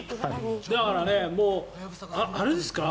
だから、もうあれですか？